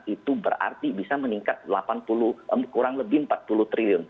itu berarti bisa meningkat kurang lebih empat puluh triliun